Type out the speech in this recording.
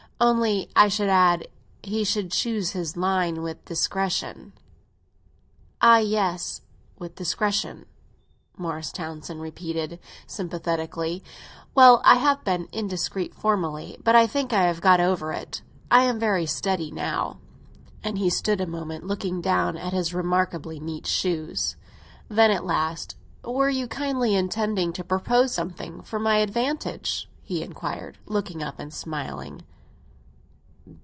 Only, I should add, he should choose his line with discretion." "Ah, yes, with discretion," Morris Townsend repeated sympathetically. "Well, I have been indiscreet, formerly; but I think I have got over it. I am very steady now." And he stood a moment, looking down at his remarkably neat shoes. Then at last, "Were you kindly intending to propose something for my advantage?" he inquired, looking up and smiling.